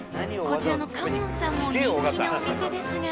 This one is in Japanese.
こちらの花門さんも人気のお店ですが］